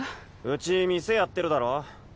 うち店やってるだろ。